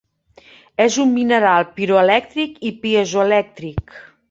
És un mineral piroelèctric i piezoelèctric.